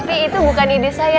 tapi itu bukan ide saya